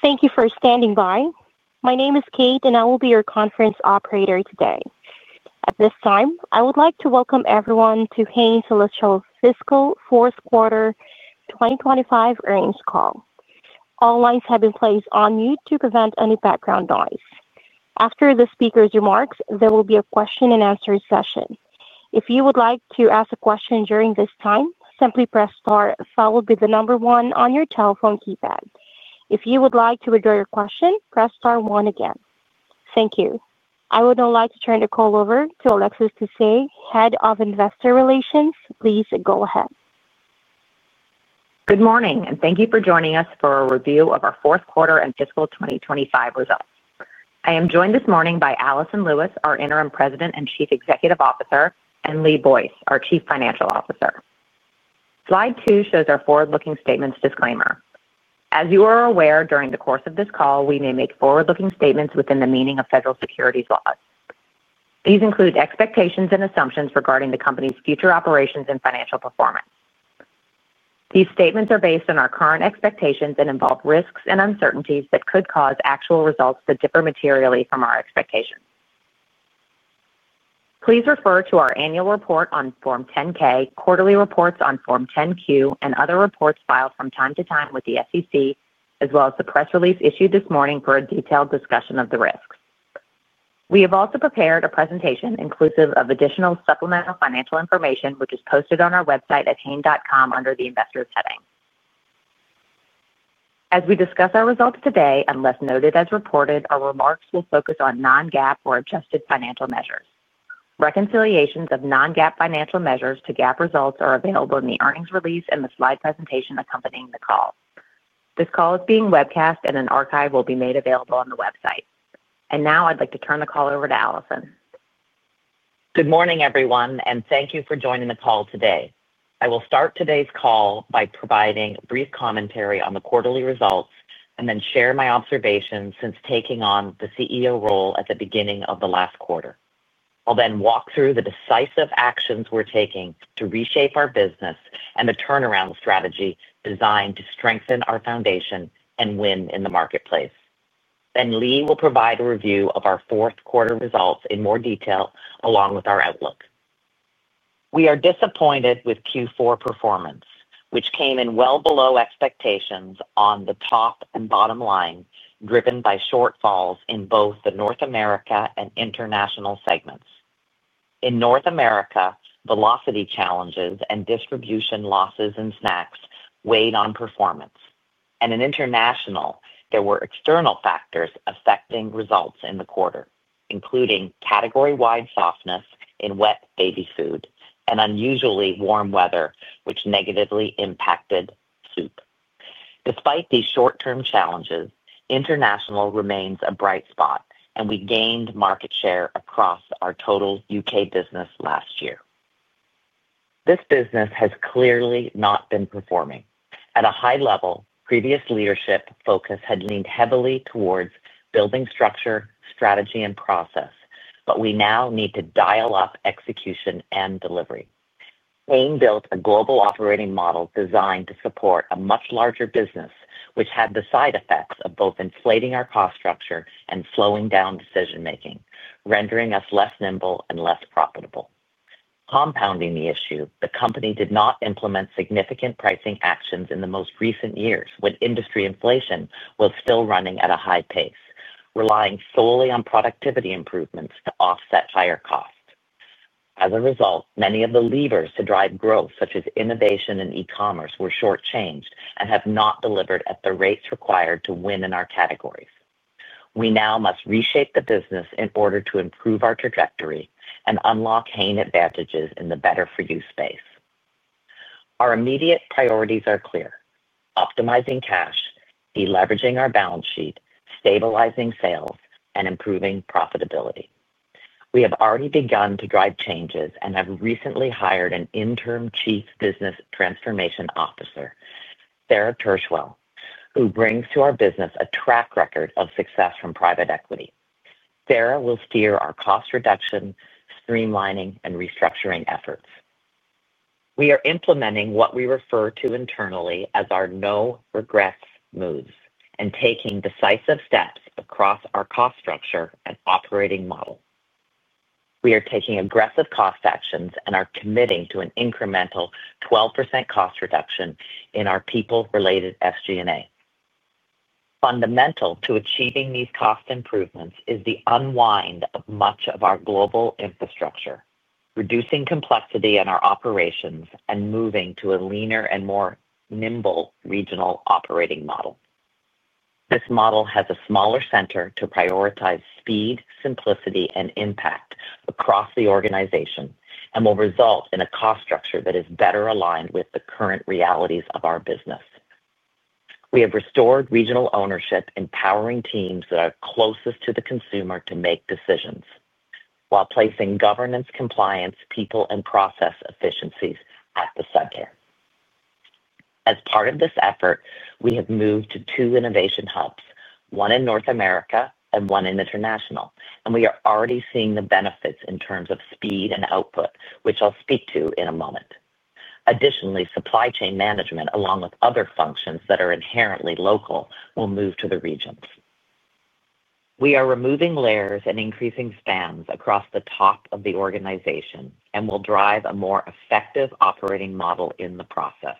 Thank you for standing by. My name is Kate, and I will be your conference operator today. At this time, I would like to welcome everyone to The Hain Celestial Group's fiscal fourth quarter 2025 earnings call. All lines have been placed on mute to prevent any background noise. After the speaker's remarks, there will be a question and answer session. If you would like to ask a question during this time, simply press star, followed by the number one on your telephone keypad. If you would like to withdraw your question, press star one again. Thank you. I would now like to turn the call over to Alexis Tessier, Head of Investor Relations. Please go ahead. Good morning, and thank you for joining us for a review of our fourth quarter and fiscal 2025 results. I am joined this morning by Alison Lewis, our Interim President and Chief Executive Officer, and Lee Boyce, our Chief Financial Officer. Slide two shows our forward-looking statements disclaimer. As you are aware, during the course of this call, we may make forward-looking statements within the meaning of federal securities laws. These include expectations and assumptions regarding the company's future operations and financial performance. These statements are based on our current expectations and involve risks and uncertainties that could cause actual results to differ materially from our expectations. Please refer to our annual report on Form 10-K, quarterly reports on Form 10-Q, and other reports filed from time to time with the SEC, as well as the press release issued this morning for a detailed discussion of the risks. We have also prepared a presentation inclusive of additional supplemental financial information, which is posted on our website at hain.com under the Investors heading. As we discuss our results today, unless noted as reported, our remarks will focus on non-GAAP or adjusted financial measures. Reconciliations of non-GAAP financial measures to GAAP results are available in the earnings release and the slide presentation accompanying the call. This call is being webcast, and an archive will be made available on the website. I would now like to turn the call over to Alison. Good morning, everyone, and thank you for joining the call today. I will start today's call by providing brief commentary on the quarterly results and then share my observations since taking on the CEO role at the beginning of the last quarter. I'll then walk through the decisive actions we're taking to reshape our business and the turnaround strategy designed to strengthen our foundation and win in the marketplace. Lee will provide a review of our fourth quarter results in more detail, along with our outlook. We are disappointed with Q4 performance, which came in well below expectations on the top and bottom line, driven by shortfalls in both the North America and international segments. In North America, velocity challenges and distribution losses in snacks weighed on performance. In international, there were external factors affecting results in the quarter, including category-wide softness in wet baby food and unusually warm weather, which negatively impacted soup. Despite these short-term challenges, international remains a bright spot, and we gained market share across our total UK business last year. This business has clearly not been performing. At a high level, previous leadership focus had leaned heavily towards building structure, strategy, and process, but we now need to dial up execution and delivery. Hain built a global operating model designed to support a much larger business, which had the side effects of both inflating our cost structure and slowing down decision-making, rendering us less nimble and less profitable. Compounding the issue, the company did not implement significant pricing actions in the most recent years when industry inflation was still running at a high pace, relying solely on productivity improvements to offset higher costs. As a result, many of the levers to drive growth, such as innovation and e-commerce, were shortchanged and have not delivered at the rates required to win in our categories. We now must reshape the business in order to improve our trajectory and unlock Hain advantages in the better-for-you space. Our immediate priorities are clear: optimizing cash, deleveraging our balance sheet, stabilizing sales, and improving profitability. We have already begun to drive changes and have recently hired an Interim Chief Business Transformation Officer, Sarah Tershwell, who brings to our business a track record of success from private equity. Sarah will steer our cost reduction, streamlining, and restructuring efforts. We are implementing what we refer to internally as our no-regrets moves and taking decisive steps across our cost structure and operating model. We are taking aggressive cost actions and are committing to an incremental 12% cost reduction in our people-related SG&A. Fundamental to achieving these cost improvements is the unwind of much of our global infrastructure, reducing complexity in our operations and moving to a leaner and more nimble regional operating model. This model has a smaller center to prioritize speed, simplicity, and impact across the organization and will result in a cost structure that is better aligned with the current realities of our business. We have restored regional ownership, empowering teams that are closest to the consumer to make decisions, while placing governance, compliance, people, and process efficiencies at the center. As part of this effort, we have moved to two innovation hubs, one in North America and one in International, and we are already seeing the benefits in terms of speed and output, which I'll speak to in a moment. Additionally, supply chain management, along with other functions that are inherently local, will move to the regions. We are removing layers and increasing spans across the top of the organization and will drive a more effective operating model in the process.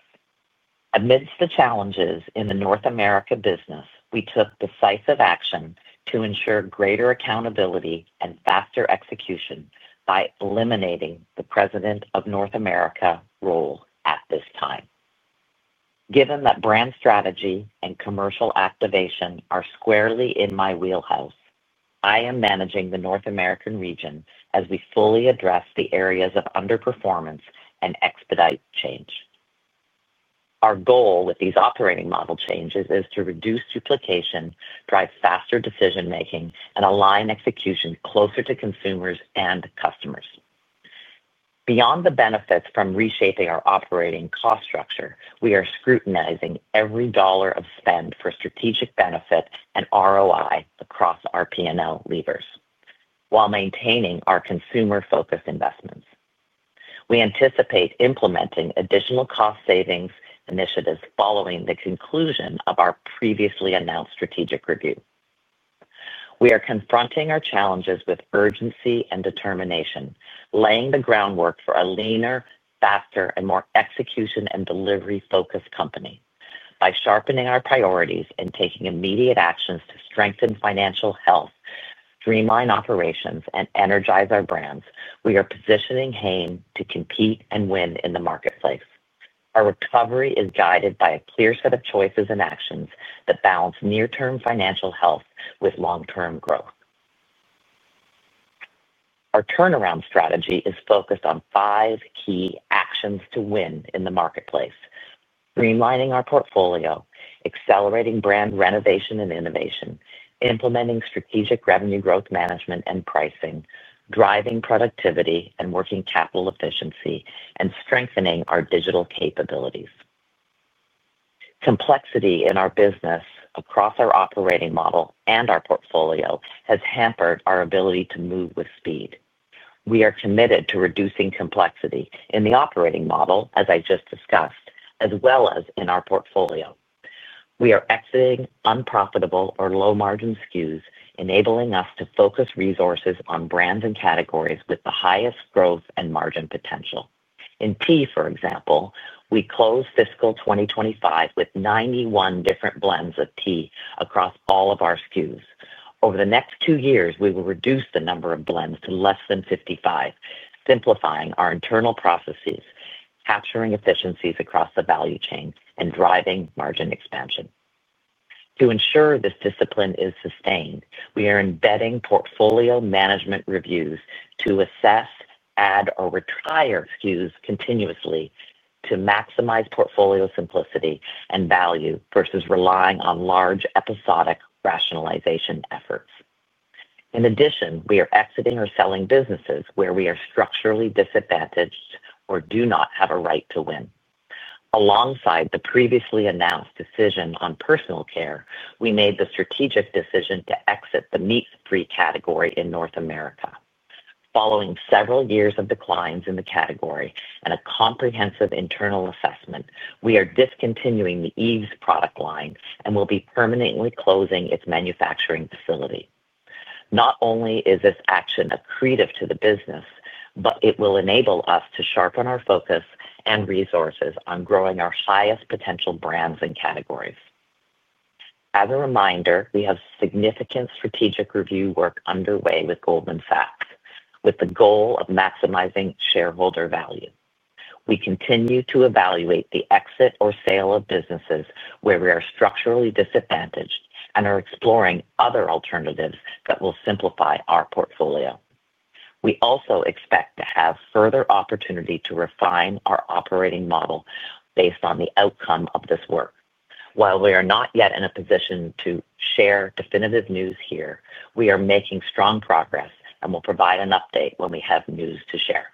Amidst the challenges in the North America business, we took decisive action to ensure greater accountability and faster execution by eliminating the President of North America role at this time. Given that brand strategy and commercial activation are squarely in my wheelhouse, I am managing the North America region as we fully address the areas of underperformance and expedite change. Our goal with these operating model changes is to reduce duplication, drive faster decision-making, and align execution closer to consumers and customers. Beyond the benefits from reshaping our operating cost structure, we are scrutinizing every dollar of spend for strategic benefit and ROI across our P&L levers while maintaining our consumer-focused investments. We anticipate implementing additional cost-savings initiatives following the conclusion of our previously announced strategic review. We are confronting our challenges with urgency and determination, laying the groundwork for a leaner, faster, and more execution and delivery-focused company. By sharpening our priorities and taking immediate actions to strengthen financial health, streamline operations, and energize our brands, we are positioning Hain to compete and win in the marketplace. Our recovery is guided by a clear set of choices and actions that balance near-term financial health with long-term growth. Our turnaround strategy is focused on five key actions to win in the marketplace: streamlining our portfolio, accelerating brand renovation and innovation, implementing strategic revenue growth management and pricing, driving productivity and working capital efficiency, and strengthening our digital capabilities. Complexity in our business across our operating model and our portfolio has hampered our ability to move with speed. We are committed to reducing complexity in the operating model, as I just discussed, as well as in our portfolio. We are exiting unprofitable or low-margin SKUs, enabling us to focus resources on brands and categories with the highest growth and margin potential. In tea, for example, we closed fiscal 2025 with 91 different blends of tea across all of our SKUs. Over the next two years, we will reduce the number of blends to less than 55, simplifying our internal processes, capturing efficiencies across the value chain, and driving margin expansion. To ensure this discipline is sustained, we are embedding portfolio management reviews to assess, add, or retire SKUs continuously to maximize portfolio simplicity and value versus relying on large episodic rationalization efforts. In addition, we are exiting or selling businesses where we are structurally disadvantaged or do not have a right to win. Alongside the previously announced decision on personal care, we made the strategic decision to exit the meat-free category in North America. Following several years of declines in the category and a comprehensive internal assessment, we are discontinuing the EVES product line and will be permanently closing its manufacturing facility. Not only is this action accretive to the business, but it will enable us to sharpen our focus and resources on growing our highest potential brands and categories. As a reminder, we have significant strategic review work underway with Goldman Sachs, with the goal of maximizing shareholder value. We continue to evaluate the exit or sale of businesses where we are structurally disadvantaged and are exploring other alternatives that will simplify our portfolio. We also expect to have further opportunity to refine our operating model based on the outcome of this work. While we are not yet in a position to share definitive news here, we are making strong progress and will provide an update when we have news to share.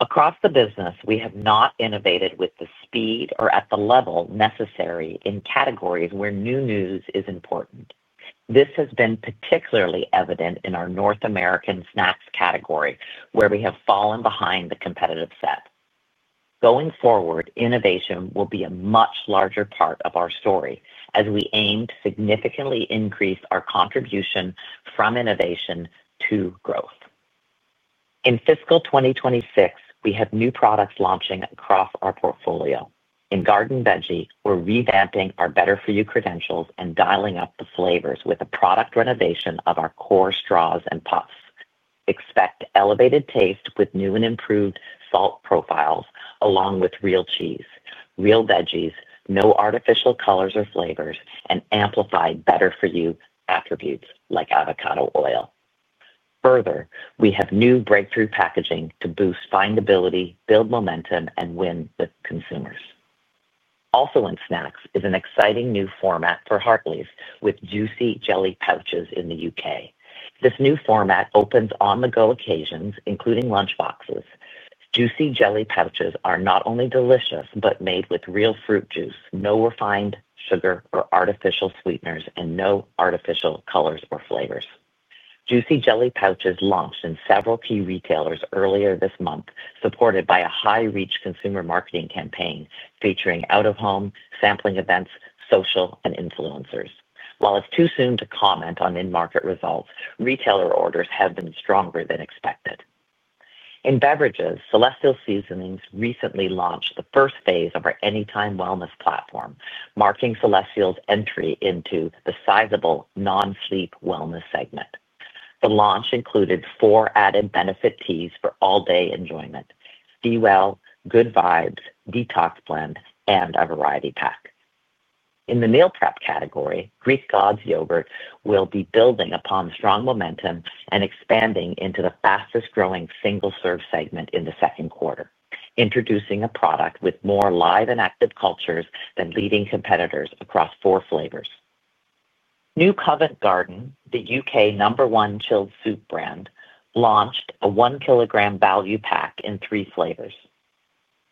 Across the business, we have not innovated with the speed or at the level necessary in categories where new news is important. This has been particularly evident in our North American snacks category, where we have fallen behind the competitive set. Going forward, innovation will be a much larger part of our story as we aim to significantly increase our contribution from innovation to growth. In fiscal 2026, we have new products launching across our portfolio. In Garden Veggie, we're revamping our better-for-you credentials and dialing up the flavors with a product renovation of our core straws and puffs. Expect elevated taste with new and improved salt profiles, along with real cheese, real veggies, no artificial colors or flavors, and amplified better-for-you attributes like avocado oil. Further, we have new breakthrough packaging to boost findability, build momentum, and win with consumers. Also in snacks is an exciting new format for Heartleaf with juicy jelly pouches in the UK. This new format opens on-the-go occasions, including lunch boxes. Juicy jelly pouches are not only delicious, but made with real fruit juice, no refined sugar or artificial sweeteners, and no artificial colors or flavors. Juicy jelly pouches launched in several key retailers earlier this month, supported by a high-reach consumer marketing campaign featuring out-of-home sampling events, social, and influencers. It's too soon to comment on in-market results, retailer orders have been stronger than expected. In beverages, Celestial Seasonings recently launched the first phase of our Anytime Wellness platform, marking Celestial's entry into the sizable non-sleep wellness segment. The launch included four added benefit teas for all-day enjoyment: Be Well, Good Vibes, Detox Blend, and a Variety Pack. In the meal prep category, Greek Gods yogurt will be building upon strong momentum and expanding into the fastest growing single-serve segment in the second quarter, introducing a product with more live and active cultures than leading competitors across four flavors. New Covent Garden, the UK number one chilled soup brand, launched a one-kilogram value pack in three flavors.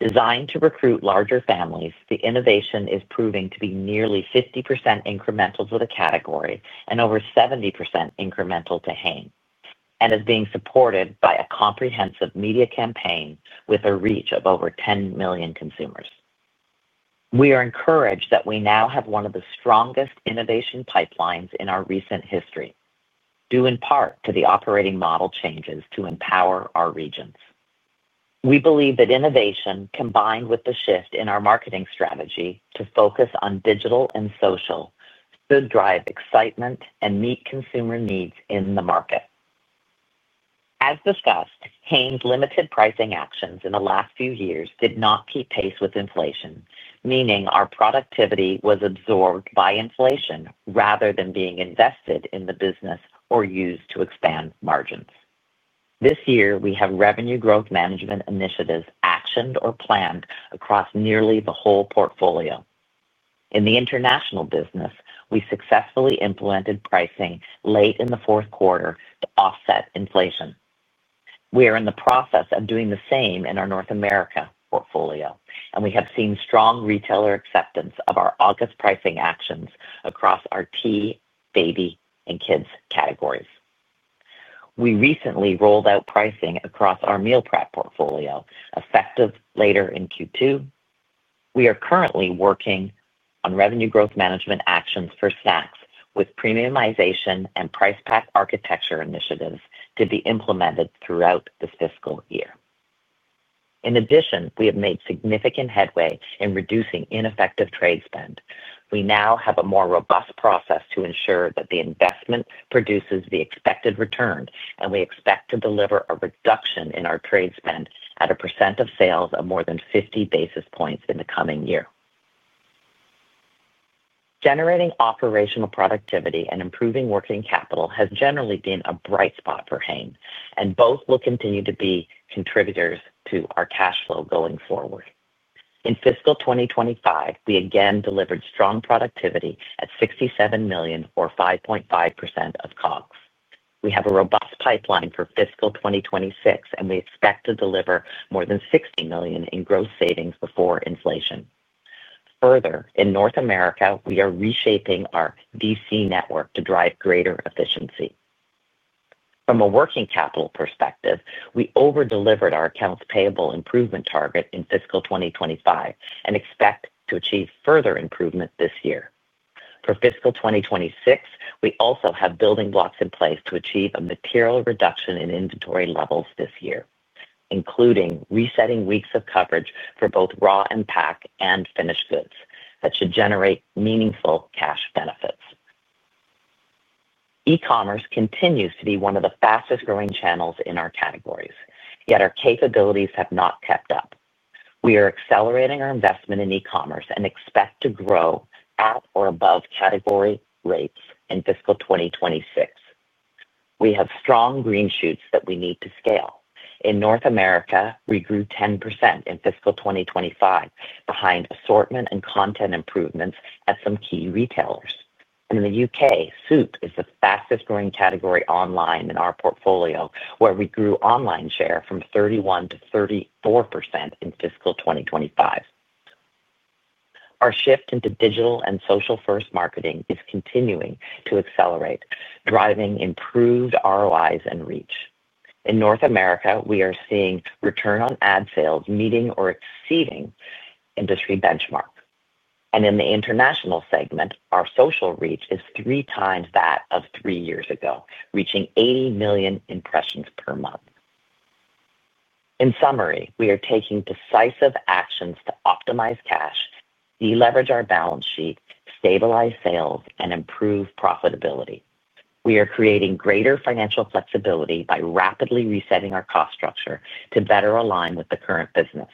Designed to recruit larger families, the innovation is proving to be nearly 50% incremental to the category and over 70% incremental to Hain, and is being supported by a comprehensive media campaign with a reach of over 10 million consumers. We are encouraged that we now have one of the strongest innovation pipelines in our recent history, due in part to the operating model changes to empower our regions. We believe that innovation, combined with the shift in our marketing strategy to focus on digital and social, should drive excitement and meet consumer needs in the market. As discussed, Hain's limited pricing actions in the last few years did not keep pace with inflation, meaning our productivity was absorbed by inflation rather than being invested in the business or used to expand margins. This year, we have revenue growth management initiatives actioned or planned across nearly the whole portfolio. In the international business, we successfully implemented pricing late in the fourth quarter to offset inflation. We are in the process of doing the same in our North America portfolio, and we have seen strong retailer acceptance of our August pricing actions across our tea, baby, and kids categories. We recently rolled out pricing across our meal preparation portfolio, effective later in Q2. We are currently working on revenue growth management actions for snacks, with premiumization and price pack architecture initiatives to be implemented throughout this fiscal year. In addition, we have made significant headway in reducing ineffective trade spend. We now have a more robust process to ensure that the investment produces the expected return, and we expect to deliver a reduction in our trade spend at a % of sales of more than 50 basis points in the coming year. Generating operational productivity and improving working capital has generally been a bright spot for Hain, and both will continue to be contributors to our cash flow going forward. In fiscal 2025, we again delivered strong productivity at $67 million, or 5.5% of COGS. We have a robust pipeline for fiscal 2026, and we expect to deliver more than $60 million in gross savings before inflation. Further, in North America, we are reshaping our DC network to drive greater efficiency. From a working capital perspective, we overdelivered our accounts payable improvement target in fiscal 2025 and expect to achieve further improvement this year. For fiscal 2026, we also have building blocks in place to achieve a material reduction in inventory levels this year, including resetting weeks of coverage for both raw and pack and finished goods that should generate meaningful cash benefits. E-commerce continues to be one of the fastest growing channels in our categories, yet our capabilities have not kept up. We are accelerating our investment in e-commerce and expect to grow at or above category rates in fiscal 2026. We have strong green shoots that we need to scale. In North America, we grew 10% in fiscal 2025, behind assortment and content improvements at some key retailers. In the UK, soup is the fastest growing category online in our portfolio, where we grew online share from 31% to 34% in fiscal 2025. Our shift into digital and social-first marketing is continuing to accelerate, driving improved ROIs and reach. In North America, we are seeing return on ad sales meeting or exceeding industry benchmark. In the international segment, our social reach is three times that of three years ago, reaching 80 million impressions per month. In summary, we are taking decisive actions to optimize cash, deleverage our balance sheet, stabilize sales, and improve profitability. We are creating greater financial flexibility by rapidly resetting our cost structure to better align with the current business.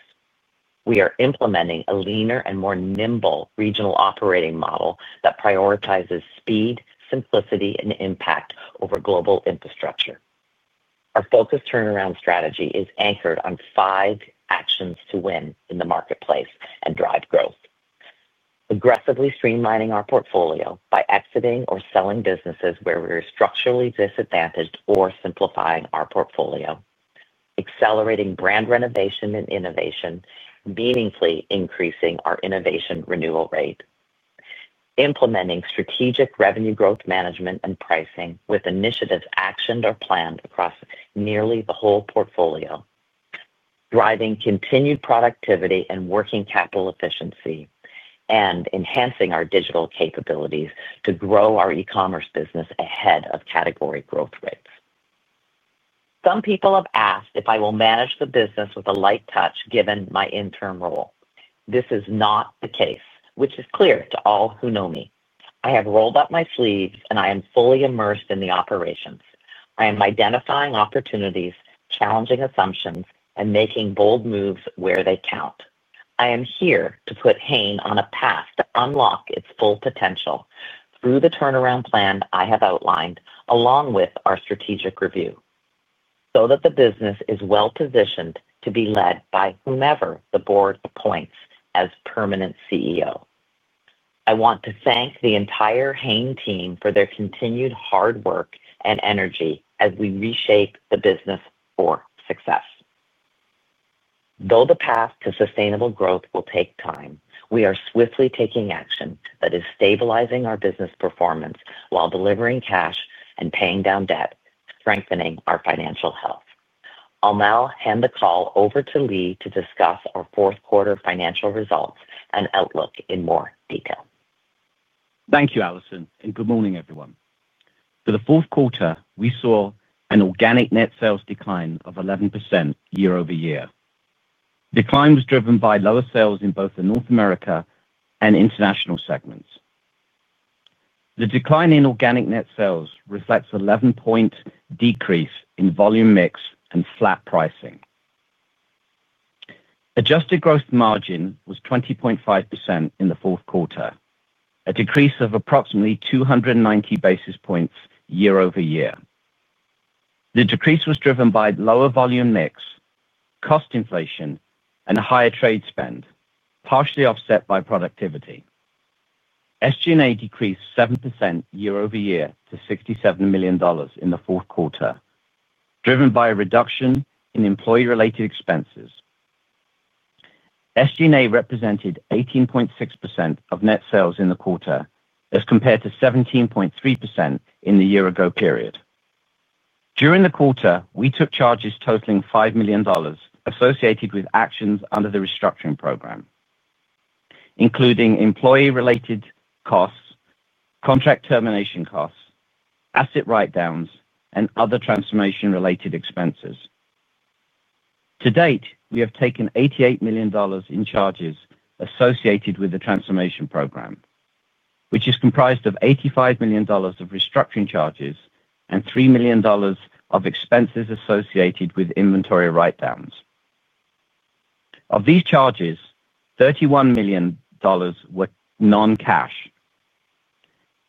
We are implementing a leaner and more nimble regional operating model that prioritizes speed, simplicity, and impact over global infrastructure. Our focused turnaround strategy is anchored on five actions to win in the marketplace and drive growth: aggressively streamlining our portfolio by exiting or selling businesses where we are structurally disadvantaged or simplifying our portfolio, accelerating brand renovation and innovation, meaningfully increasing our innovation renewal rate, implementing strategic revenue growth management and pricing with initiatives actioned or planned across nearly the whole portfolio, driving continued productivity and working capital efficiency, and enhancing our digital capabilities to grow our e-commerce business ahead of category growth rates. Some people have asked if I will manage the business with a light touch, given my interim role. This is not the case, which is clear to all who know me. I have rolled up my sleeves, and I am fully immersed in the operations. I am identifying opportunities, challenging assumptions, and making bold moves where they count. I am here to put Hain on a path to unlock its full potential through the turnaround plan I have outlined, along with our strategic review, so that the business is well-positioned to be led by whomever the Board appoints as permanent CEO. I want to thank the entire Hain team for their continued hard work and energy as we reshape the business for success. Though the path to sustainable growth will take time, we are swiftly taking action that is stabilizing our business performance while delivering cash and paying down debt, strengthening our financial health. I'll now hand the call over to Lee to discuss our fourth quarter financial results and outlook in more detail. Thank you, Alison, and good morning, everyone. For the fourth quarter, we saw an organic net sales decline of 11% year over year. The decline was driven by lower sales in both the North America and international segments. The decline in organic net sales reflects an 11-point decrease in volume mix and flat pricing. Adjusted gross margin was 20.5% in the fourth quarter, a decrease of approximately 290 basis points year over year. The decrease was driven by lower volume mix, cost inflation, and a higher trade spend, partially offset by productivity. SG&A decreased 7% year over year to $67 million in the fourth quarter, driven by a reduction in employee-related expenses. SG&A represented 18.6% of net sales in the quarter, as compared to 17.3% in the year-ago period. During the quarter, we took charges totaling $5 million associated with actions under the restructuring program, including employee-related costs, contract termination costs, asset write-downs, and other transformation-related expenses. To date, we have taken $88 million in charges associated with the transformation program, which is comprised of $85 million of restructuring charges and $3 million of expenses associated with inventory write-downs. Of these charges, $31 million were non-cash.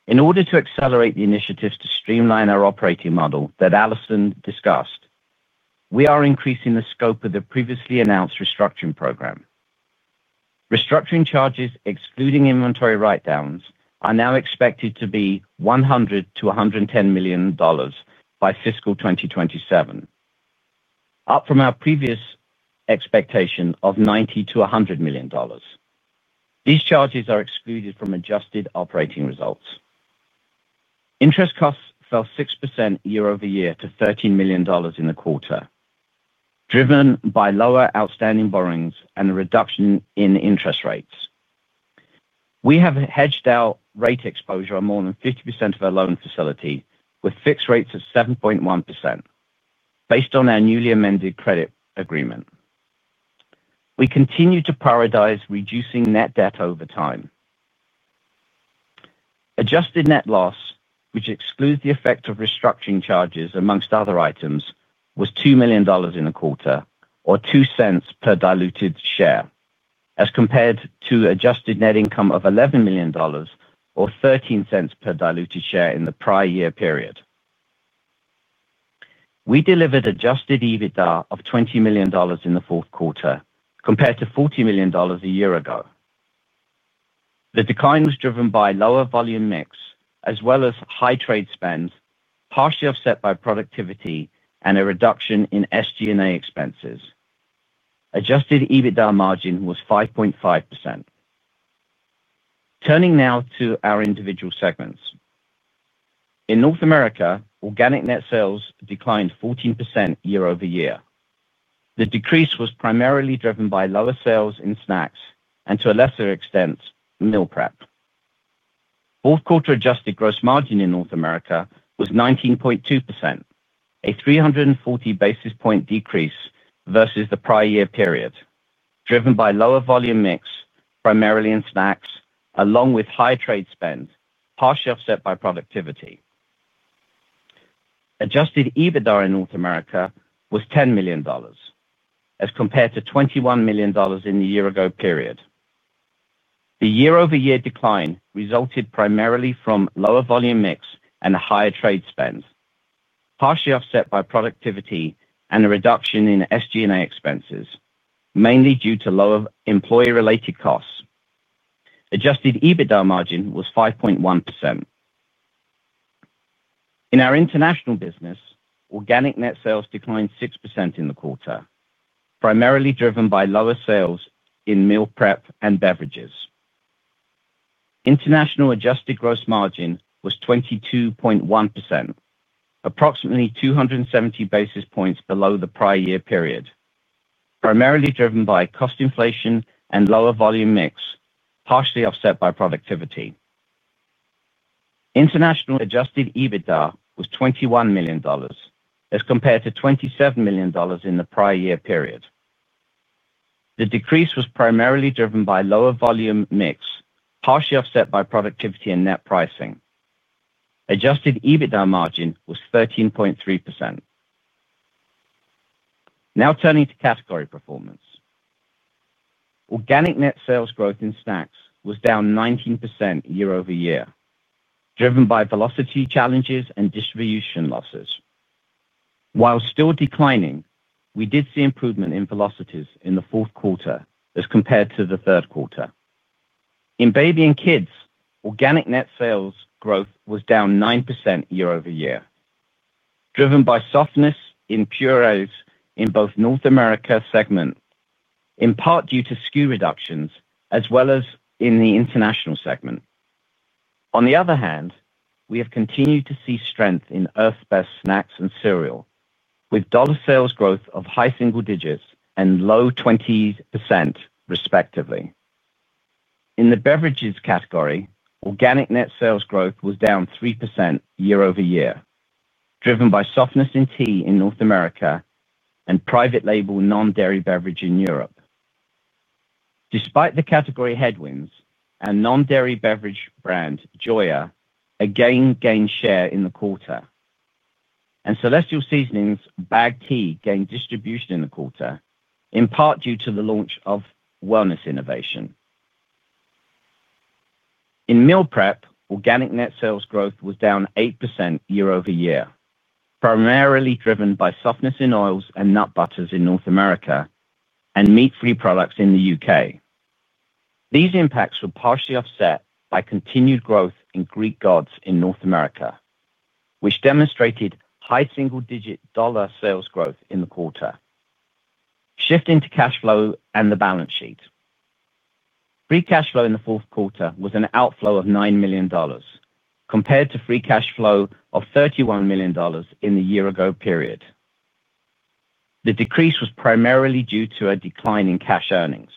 In order to accelerate the initiatives to streamline our operating model that Alison discussed, we are increasing the scope of the previously announced restructuring program. Restructuring charges, excluding inventory write-downs, are now expected to be $100 million to $110 million by fiscal 2027, up from our previous expectation of $90 million to $100 million. These charges are excluded from adjusted operating results. Interest costs fell 6% year over year to $13 million in the quarter, driven by lower outstanding borrowings and a reduction in interest rates. We have hedged out rate exposure on more than 50% of our loan facility with fixed rates of 7.1%, based on our newly amended credit agreement. We continue to prioritize reducing net debt over time. Adjusted net loss, which excludes the effect of restructuring charges amongst other items, was $2 million in the quarter, or $0.02 per diluted share, as compared to adjusted net income of $11 million, or $0.13 per diluted share in the prior year period. We delivered adjusted EBITDA of $20 million in the fourth quarter, compared to $40 million a year ago. The decline was driven by lower volume mix, as well as high trade spend, partially offset by productivity and a reduction in SG&A expenses. Adjusted EBITDA margin was 5.5%. Turning now to our individual segments. In North America, organic net sales declined 14% year over year. The decrease was primarily driven by lower sales in snacks and, to a lesser extent, meal preparation products. Fourth quarter adjusted gross margin in North America was 19.2%, a 340 basis point decrease versus the prior year period, driven by lower volume mix, primarily in snacks, along with high trade spend, partially offset by productivity. Adjusted EBITDA in North America was $10 million, as compared to $21 million in the year-ago period. The year-over-year decline resulted primarily from lower volume mix and a higher trade spend, partially offset by productivity and a reduction in SG&A expenses, mainly due to lower employee-related costs. Adjusted EBITDA margin was 5.1%. In our international business, organic net sales declined 6% in the quarter, primarily driven by lower sales in meal preparation products and beverages. International adjusted gross margin was 22.1%, approximately 270 basis points below the prior year period, primarily driven by cost inflation and lower volume mix, partially offset by productivity. International adjusted EBITDA was $21 million, as compared to $27 million in the prior year period. The decrease was primarily driven by lower volume mix, partially offset by productivity and net pricing. Adjusted EBITDA margin was 13.3%. Now turning to category performance, organic net sales growth in snacks was down 19% year over year, driven by velocity challenges and distribution losses. While still declining, we did see improvement in velocities in the fourth quarter, as compared to the third quarter. In baby/kids products, organic net sales growth was down 9% year over year, driven by softness in purees in both North America segment, in part due to SKU reductions, as well as in the international segment. On the other hand, we have continued to see strength in Earth's Best snacks and cereal, with dollar sales growth of high single digits and low 20%, respectively. In the beverages category, organic net sales growth was down 3% year over year, driven by softness in tea in North America and private label non-dairy beverage in Europe. Despite the category headwinds, our non-dairy beverage brand, Joia, again gained share in the quarter, and Celestial Seasonings' bag tea gained distribution in the quarter, in part due to the launch of wellness innovation. In meal prep, organic net sales growth was down 8% year over year, primarily driven by softness in oils and nut butters in North America and meat-free products in the UK. These impacts were partially offset by continued growth in Greek Gods in North America, which demonstrated high single-digit dollar sales growth in the quarter. Shifting to cash flow and the balance sheet, free cash flow in the fourth quarter was an outflow of $9 million, compared to free cash flow of $31 million in the year-ago period. The decrease was primarily due to a decline in cash earnings.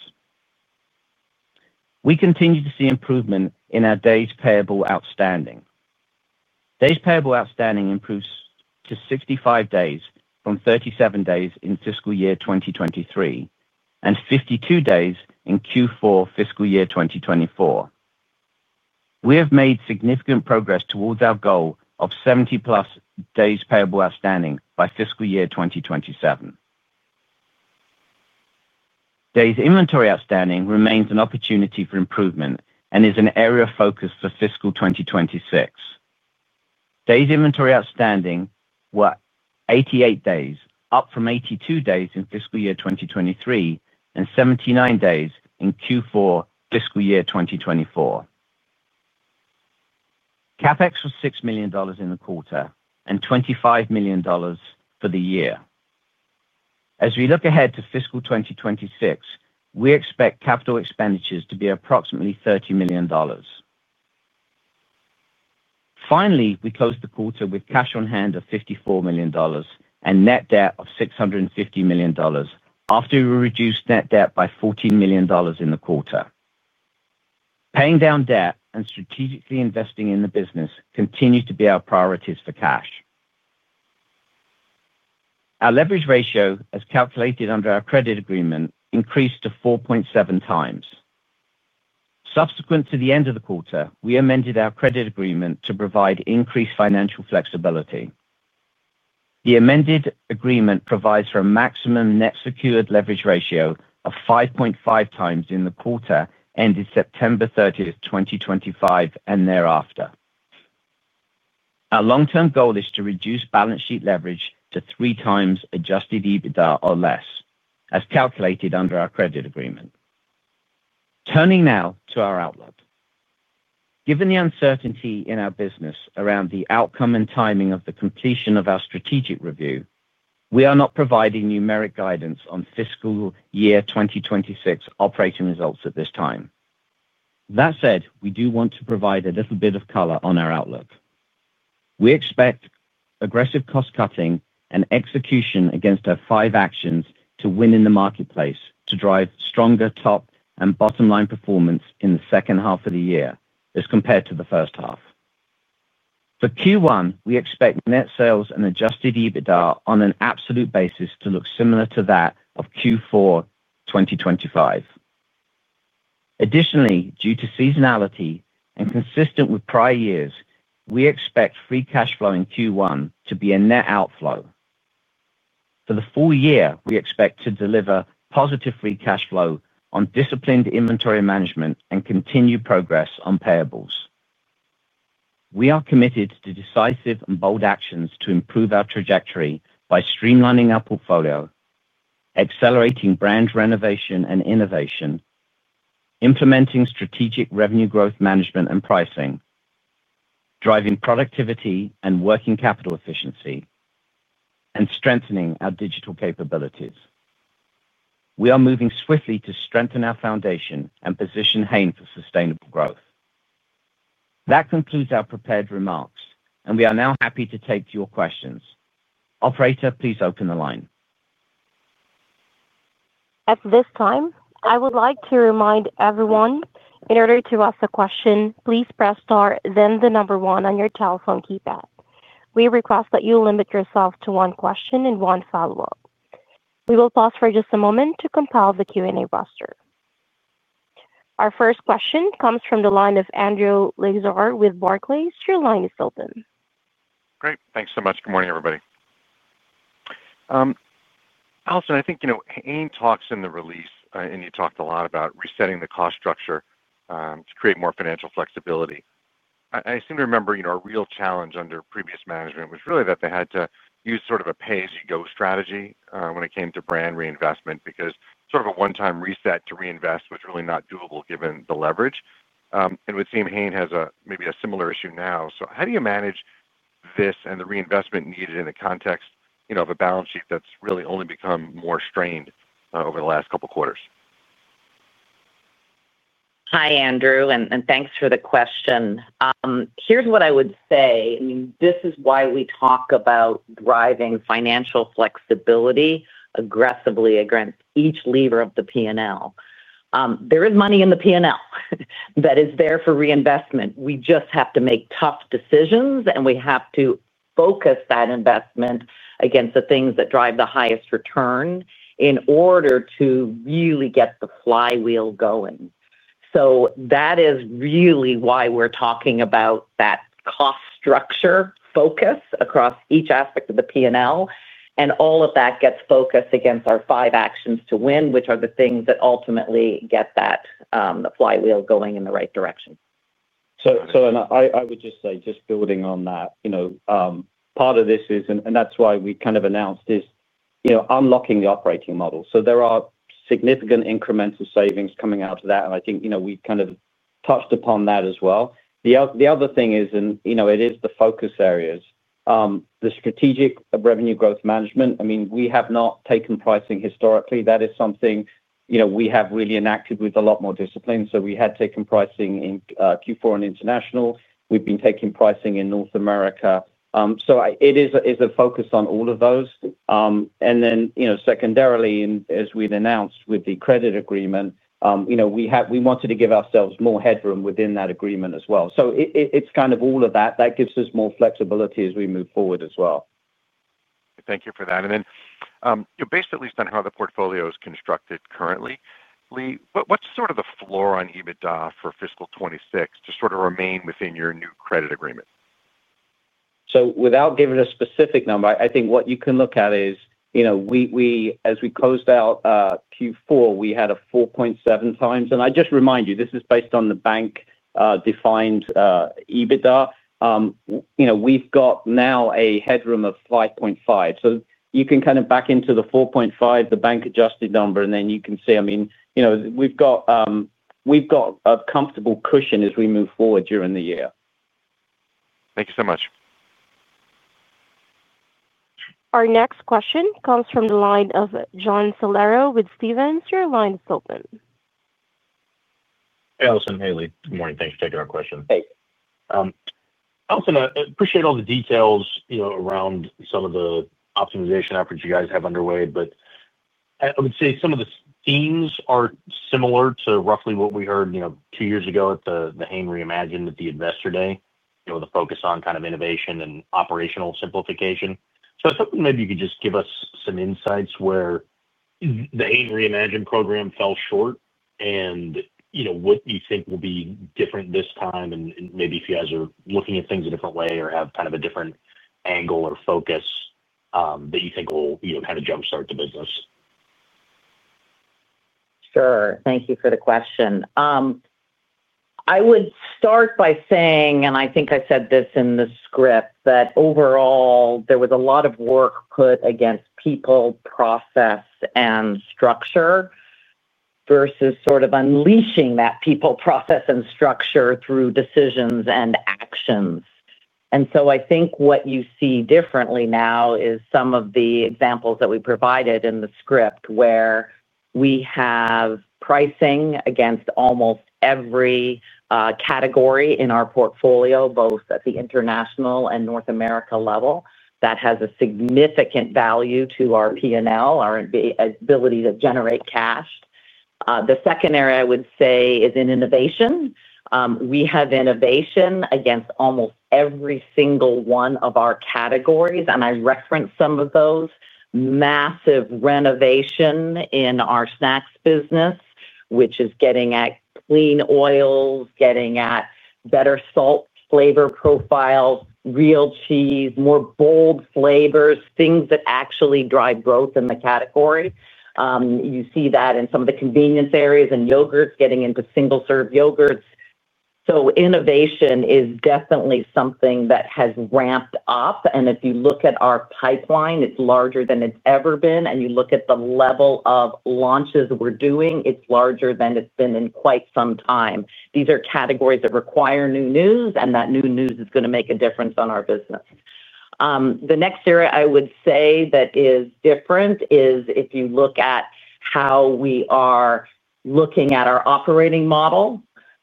We continue to see improvement in our days payable outstanding. Days payable outstanding improved to 65 days from 37 days in fiscal year 2023 and 52 days in Q4 fiscal year 2024. We have made significant progress towards our goal of 70-plus days payable outstanding by fiscal year 2027. Days inventory outstanding remains an opportunity for improvement and is an area of focus for fiscal 2026. Days inventory outstanding were 88 days, up from 82 days in fiscal year 2023 and 79 days in Q4 fiscal year 2024. CapEx was $6 million in the quarter and $25 million for the year. As we look ahead to fiscal 2026, we expect capital expenditures to be approximately $30 million. Finally, we closed the quarter with cash on hand of $54 million and net debt of $650 million, after we reduced net debt by $14 million in the quarter. Paying down debt and strategically investing in the business continue to be our priorities for cash. Our leverage ratio, as calculated under our credit agreement, increased to 4.7 times. Subsequent to the end of the quarter, we amended our credit agreement to provide increased financial flexibility. The amended agreement provides for a maximum net secured leverage ratio of 5.5 times in the quarter ended September 30, 2025, and thereafter. Our long-term goal is to reduce balance sheet leverage to three times adjusted EBITDA or less, as calculated under our credit agreement. Turning now to our outlook. Given the uncertainty in our business around the outcome and timing of the completion of our strategic review, we are not providing numeric guidance on fiscal year 2026 operating results at this time. That said, we do want to provide a little bit of color on our outlook. We expect aggressive cost cutting and execution against our five actions to win in the marketplace to drive stronger top and bottom line performance in the second half of the year, as compared to the first half. For Q1, we expect net sales and adjusted EBITDA on an absolute basis to look similar to that of Q4 2025. Additionally, due to seasonality and consistent with prior years, we expect free cash flow in Q1 to be a net outflow. For the full year, we expect to deliver positive free cash flow on disciplined inventory management and continue progress on payables. We are committed to decisive and bold actions to improve our trajectory by streamlining our portfolio, accelerating brand renovation and innovation, implementing strategic revenue growth management and pricing, driving productivity and working capital efficiency, and strengthening our digital capabilities. We are moving swiftly to strengthen our foundation and position Hain for sustainable growth. That concludes our prepared remarks, and we are now happy to take your questions. Operator, please open the line. At this time, I would like to remind everyone, in order to ask a question, please press star, then the number one on your telephone keypad. We request that you limit yourself to one question and one follow-up. We will pause for just a moment to compile the Q&A roster. Our first question comes from the line of Andrew Lazar with Barclays. Your line is open. Great. Thanks so much. Good morning, everybody. Alison, I think, you know, Hain talks in the release, and you talked a lot about resetting the cost structure to create more financial flexibility. I seem to remember a real challenge under previous management was really that they had to use sort of a pay-as-you-go strategy when it came to brand reinvestment because sort of a one-time reset to reinvest was really not doable given the leverage. It would seem Hain has maybe a similar issue now. How do you manage this and the reinvestment needed in the context, you know, of a balance sheet that's really only become more strained over the last couple of quarters? Hi, Andrew, and thanks for the question. Here's what I would say. This is why we talk about driving financial flexibility aggressively against each lever of the P&L. There is money in the P&L that is there for reinvestment. We just have to make tough decisions, and we have to focus that investment against the things that drive the highest return in order to really get the flywheel going. That is really why we're talking about that cost structure focus across each aspect of the P&L, and all of that gets focused against our five actions to win, which are the things that ultimately get that flywheel going in the right direction. I would just say, building on that, part of this is, and that's why we kind of announced this, unlocking the operating model. There are significant incremental savings coming out of that, and I think we kind of touched upon that as well. The other thing is, it is the focus areas, the strategic revenue growth management. I mean, we have not taken pricing historically. That is something we have really enacted with a lot more discipline. We had taken pricing in Q4 and international. We've been taking pricing in North America. It is a focus on all of those. Secondarily, as we've announced with the credit agreement, we wanted to give ourselves more headroom within that agreement as well. It's kind of all of that. That gives us more flexibility as we move forward as well. Thank you for that. Based at least on how the portfolio is constructed currently, Lee, what's sort of the floor on EBITDA for fiscal 2026 to remain within your new credit agreement? Without giving a specific number, I think what you can look at is, as we closed out Q4, we had a 4.7x. I just remind you, this is based on the bank-defined EBITDA. We've got now a headroom of 5.5x. You can kind of back into the 4.5x, the bank-adjusted number, and then you can see, I mean, we've got a comfortable cushion as we move forward during the year. Thank you so much. Our next question comes from the line of James Salera with Stephens. Your line is open. Hey, Alison, Alexis. Good morning. Thanks for taking our question. Hey. Alison, I appreciate all the details around some of the optimization efforts you guys have underway. I would say some of the themes are similar to roughly what we heard two years ago at the Hain Reimagined at the Investor Day, with a focus on kind of innovation and operational simplification. I was hoping maybe you could just give us some insights where the Hain Reimagined program fell short and what you think will be different this time, and maybe if you guys are looking at things a different way or have kind of a different angle or focus that you think will kind of jumpstart the business. Sure. Thank you for the question. I would start by saying, and I think I said this in the script, that overall, there was a lot of work put against people, process, and structure versus sort of unleashing that people, process, and structure through decisions and actions. I think what you see differently now is some of the examples that we provided in the script where we have pricing against almost every category in our portfolio, both at the international and North America level, that has a significant value to our P&L, our ability to generate cash. The second area I would say is in innovation. We have innovation against almost every single one of our categories, and I referenced some of those. Massive renovation in our snacks business, which is getting at clean oil, getting at better salt flavor profile, real cheese, more bold flavors, things that actually drive growth in the category. You see that in some of the convenience areas and yogurts, getting into single-serve yogurts. Innovation is definitely something that has ramped up. If you look at our pipeline, it's larger than it's ever been. You look at the level of launches we're doing, it's larger than it's been in quite some time. These are categories that require new news, and that new news is going to make a difference on our business. The next area I would say that is different is if you look at how we are looking at our operating model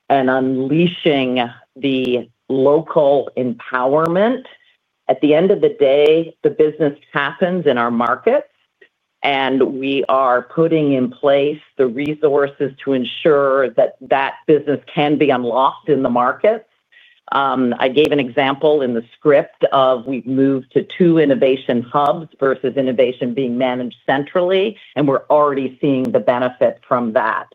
and unleashing the local empowerment. At the end of the day, the business happens in our markets, and we are putting in place the resources to ensure that that business can be unlocked in the market. I gave an example in the script of we've moved to two innovation hubs versus innovation being managed centrally, and we're already seeing the benefit from that.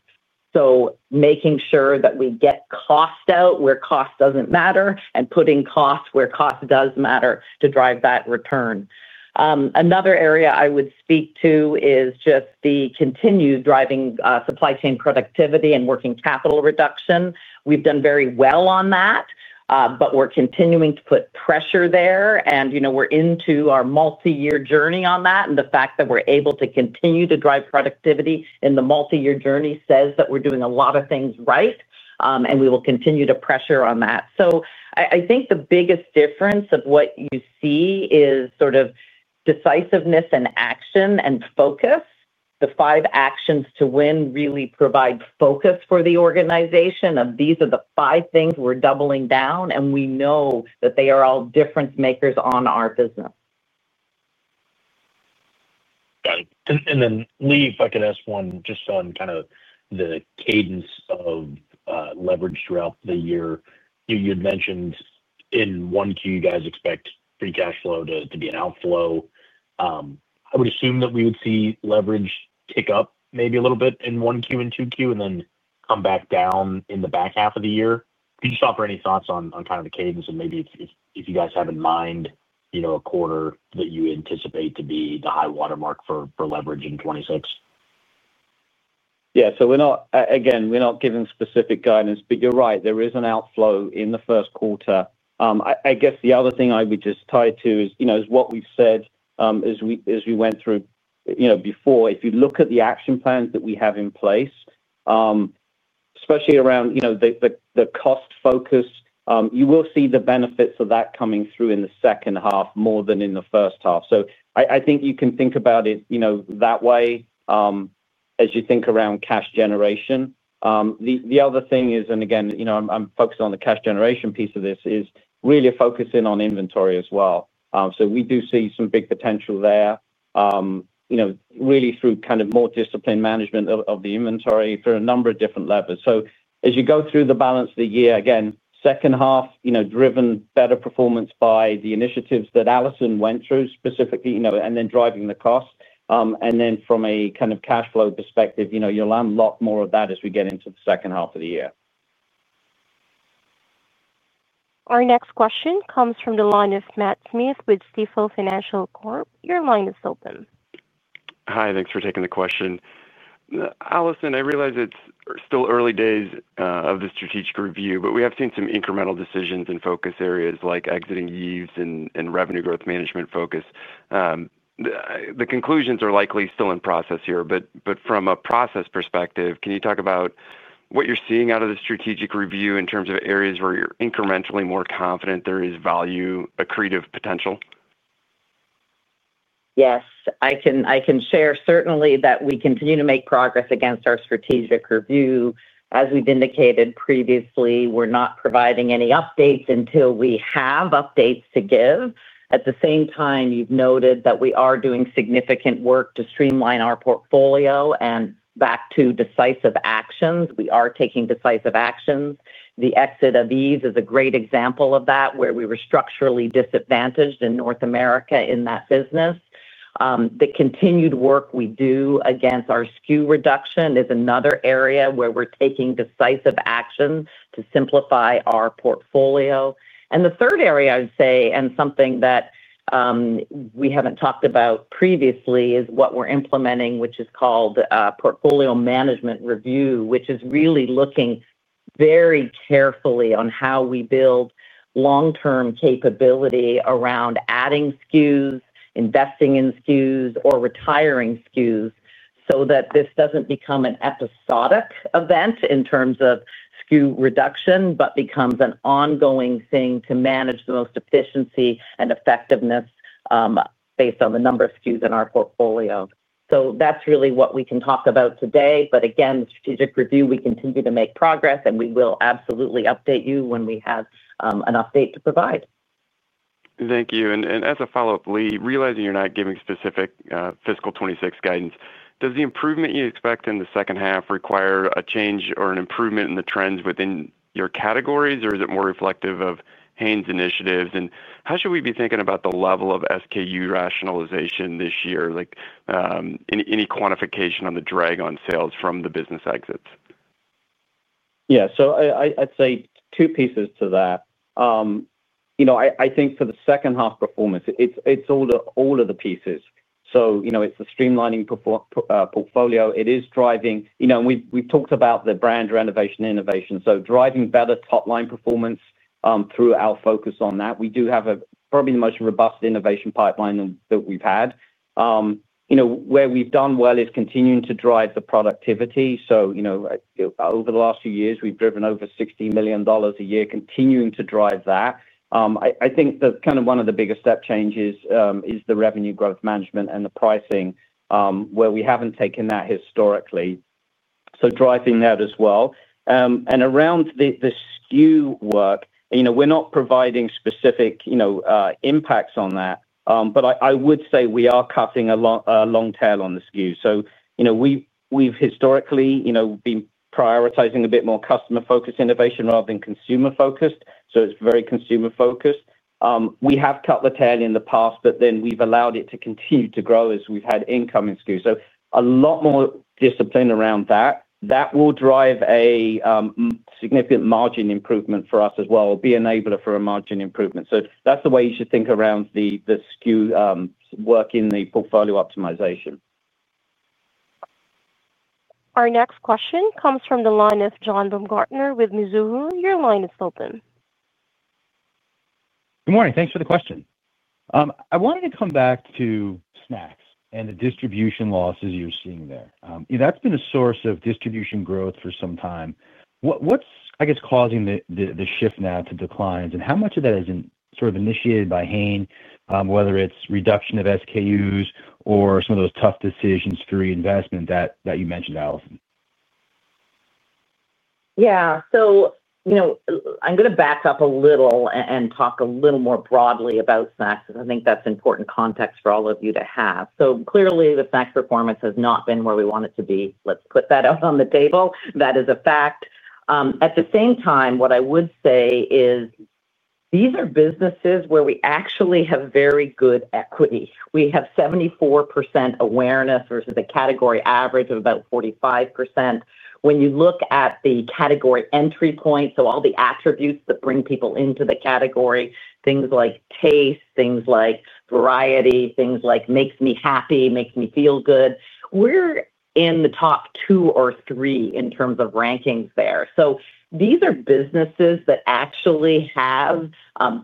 Making sure that we get cost out where cost doesn't matter and putting cost where cost does matter to drive that return. Another area I would speak to is just the continued driving supply chain productivity and working capital reduction. We've done very well on that, but we're continuing to put pressure there. We're into our multi-year journey on that, and the fact that we're able to continue to drive productivity in the multi-year journey says that we're doing a lot of things right, and we will continue to pressure on that. I think the biggest difference of what you see is sort of decisiveness and action and focus. The five actions to win really provide focus for the organization of these are the five things we're doubling down, and we know that they are all difference makers on our business. Got it. Lee, if I could ask one just on kind of the cadence of leverage throughout the year. You had mentioned in Q1 you guys expect free cash flow to be an outflow. I would assume that we would see leverage pick up maybe a little bit in Q1 and Q2 and then come back down in the back half of the year. Could you just offer any thoughts on kind of the cadence and maybe if you guys have in mind a quarter that you anticipate to be the high watermark for leverage in 2026? Yeah. We're not, again, we're not giving specific guidance, but you're right. There is an outflow in the first quarter. The other thing I would just tie to is, you know, what we've said as we went through before, if you look at the action plans that we have in place, especially around the cost focus, you will see the benefits of that coming through in the second half more than in the first half. I think you can think about it that way as you think around cash generation. The other thing is, and again, I'm focused on the cash generation piece of this, is really focusing on inventory as well. We do see some big potential there, really through kind of more disciplined management of the inventory through a number of different levers. As you go through the balance of the year, again, second half, driven better performance by the initiatives that Alison went through specifically, and then driving the cost. From a kind of cash flow perspective, you'll unlock more of that as we get into the second half of the year. Our next question comes from the line of Matthew Smith with Stifel. Your line is open. Hi. Thanks for taking the question. Alison, I realize it's still early days of the strategic review, but we have seen some incremental decisions in focus areas like exiting EVES and revenue growth management focus. The conclusions are likely still in process here, but from a process perspective, can you talk about what you're seeing out of the strategic review in terms of areas where you're incrementally more confident there is value, accretive potential? Yes. I can share certainly that we continue to make progress against our strategic review. As we've indicated previously, we're not providing any updates until we have updates to give. At the same time, you've noted that we are doing significant work to streamline our portfolio and back to decisive actions. We are taking decisive actions. The exit of EVES is a great example of that, where we were structurally disadvantaged in North America in that business. The continued work we do against our SKU reduction is another area where we're taking decisive action to simplify our portfolio. The third area I'd say, and something that we haven't talked about previously, is what we're implementing, which is called portfolio management review, which is really looking very carefully on how we build long-term capability around adding SKUs, investing in SKUs, or retiring SKUs so that this doesn't become an episodic event in terms of SKU reduction, but becomes an ongoing thing to manage the most efficiency and effectiveness based on the number of SKUs in our portfolio. That's really what we can talk about today. Again, the strategic review, we continue to make progress, and we will absolutely update you when we have an update to provide. Thank you. As a follow-up, Lee, realizing you're not giving specific fiscal 2026 guidance, does the improvement you expect in the second half require a change or an improvement in the trends within your categories, or is it more reflective of Hain's initiatives? How should we be thinking about the level of SKU rationalization this year? Any quantification on the drag on sales from the business exits? Yeah. I'd say two pieces to that. I think for the second half performance, it's all of the pieces. It's a streamlining portfolio. It is driving, and we've talked about the brand renovation innovation, so driving better top-line performance through our focus on that. We do have probably the most robust innovation pipeline that we've had. Where we've done well is continuing to drive the productivity. Over the last few years, we've driven over $60 million a year, continuing to drive that. I think one of the biggest step changes is the revenue growth management and the pricing, where we haven't taken that historically. Driving that as well. Around the SKU work, we're not providing specific impacts on that, but I would say we are cutting a long tail on the SKU. We've historically been prioritizing a bit more customer-focused innovation rather than consumer-focused. It's very consumer-focused. We have cut the tail in the past, but then we've allowed it to continue to grow as we've had incoming SKUs. A lot more discipline around that. That will drive a significant margin improvement for us as well, be an enabler for a margin improvement. That's the way you should think around the SKU work in the portfolio optimization. Our next question comes from the line of John Baumgartner with Mizuho. Your line is open. Good morning. Thanks for the question. I wanted to come back to snacks and the distribution losses you're seeing there. That's been a source of distribution growth for some time. What's, I guess, causing the shift now to declines? How much of that is sort of initiated by Hain, whether it's reduction of SKUs or some of those tough decisions through reinvestment that you mentioned, Alison? Yeah. I'm going to back up a little and talk a little more broadly about snacks, because I think that's important context for all of you to have. Clearly, the snacks performance has not been where we want it to be. Let's put that out on the table. That is a fact. At the same time, what I would say is these are businesses where we actually have very good equity. We have 74% awareness versus a category average of about 45%. When you look at the category entry points, all the attributes that bring people into the category, things like taste, things like variety, things like makes me happy, makes me feel good, we're in the top two or three in terms of rankings there. These are businesses that actually have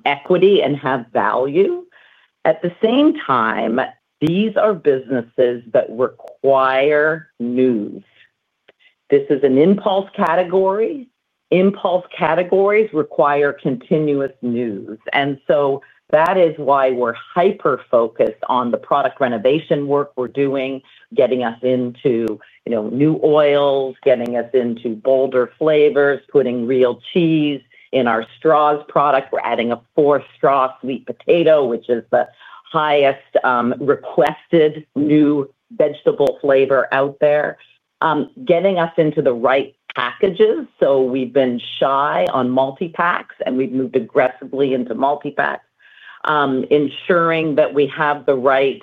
equity and have value. At the same time, these are businesses that require news. This is an impulse category. Impulse categories require continuous news. That is why we're hyper-focused on the product renovation work we're doing, getting us into new oils, getting us into bolder flavors, putting real cheese in our straws product. We're adding a four-straw sweet potato, which is the highest requested new vegetable flavor out there, getting us into the right packages. We've been shy on multi-packs, and we've moved aggressively into multi-packs, ensuring that we have the right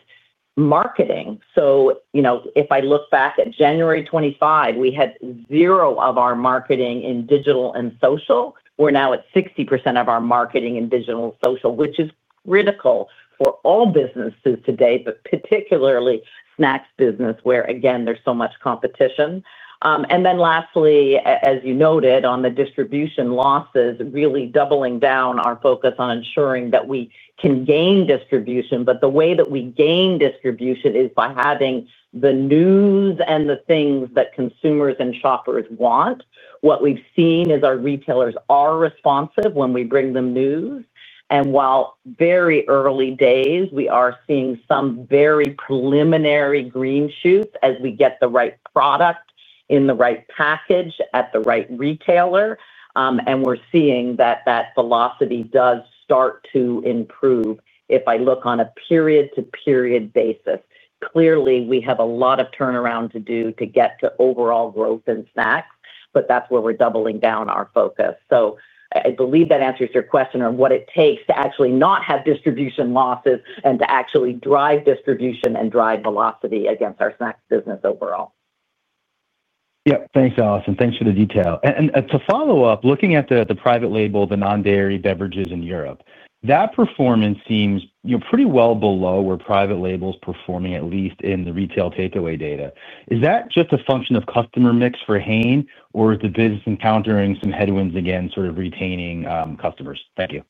marketing. If I look back at January 25, we had zero of our marketing in digital and social. We're now at 60% of our marketing in digital and social, which is critical for all businesses today, but particularly snacks business, where there's so much competition. Lastly, as you noted on the distribution losses, really doubling down our focus on ensuring that we can gain distribution. The way that we gain distribution is by having the news and the things that consumers and shoppers want. What we've seen is our retailers are responsive when we bring them news. While very early days, we are seeing some very preliminary green shoots as we get the right product in the right package at the right retailer. We're seeing that velocity does start to improve if I look on a period-to-period basis. Clearly, we have a lot of turnaround to do to get to overall growth in snacks, but that's where we're doubling down our focus. I believe that answers your question on what it takes to actually not have distribution losses and to actually drive distribution and drive velocity against our snacks business overall. Thanks, Alison. Thanks for the detail. To follow up, looking at the private label, the non-dairy beverages in Europe, that performance seems pretty well below where private label is performing, at least in the retail takeaway data. Is that just a function of customer mix for Hain, or is the business encountering some headwinds again, sort of retaining customers? Thank you.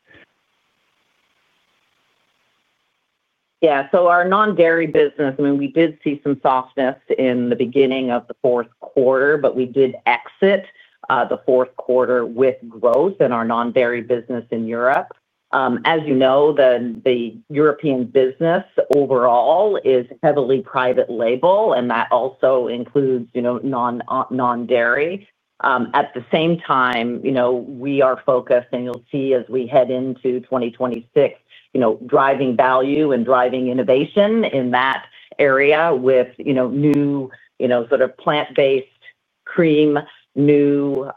Yeah. Our non-dairy business, I mean, we did see some softness in the beginning of the fourth quarter, but we did exit the fourth quarter with growth in our non-dairy business in Europe. As you know, the European business overall is heavily private label, and that also includes non-dairy. At the same time, we are focused, and you'll see as we head into 2026, driving value and driving innovation in that area with new sort of plant-based cream, new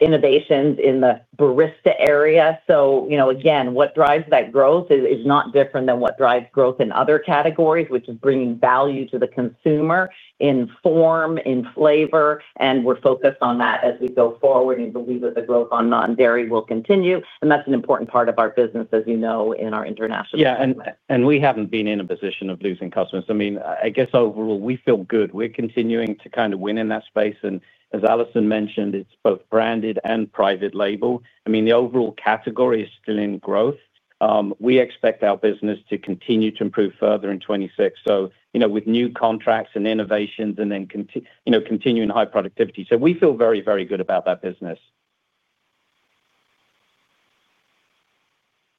innovations in the barista area. What drives that growth is not different than what drives growth in other categories, which is bringing value to the consumer in form, in flavor. We're focused on that as we go forward, and I believe that the growth on non-dairy will continue. That's an important part of our business, as you know, in our international market. Yeah. We haven't been in a position of losing customers. I mean, I guess overall, we feel good. We're continuing to kind of win in that space. As Alison mentioned, it's both branded and private label. The overall category is still in growth. We expect our business to continue to improve further in 2026, with new contracts and innovations and continuing high productivity. We feel very, very good about that business.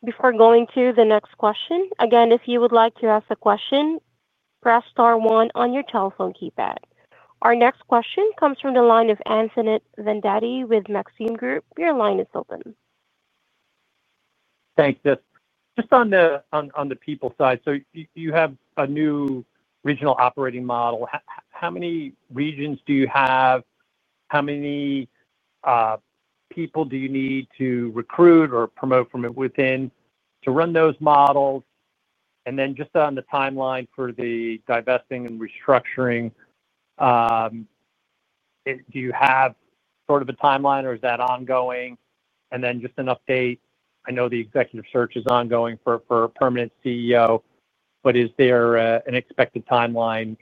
Before going to the next question, again, if you would like to ask a question, press star one on your telephone keypad. Our next question comes from the line of Anthony Vendetti with Maxim Group. Your line is open. Thanks. Just on the people side, you have a new regional operating model. How many regions do you have? How many people do you need to recruit or promote from within to run those models? On the timeline for the divesting and restructuring, do you have a timeline, or is that ongoing? Just an update, I know the executive search is ongoing for a permanent CEO, but is there an expected timeline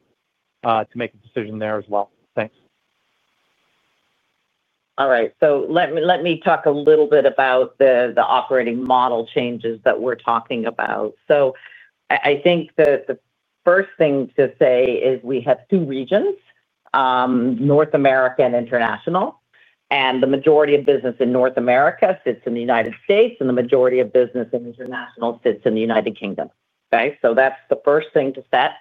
to make a decision there as well? Thanks. All right. Let me talk a little bit about the operating model changes that we're talking about. I think the first thing to say is we have two regions: North America and international. The majority of business in North America sits in the United States, and the majority of business in international sits in the United Kingdom. That's the first thing to set.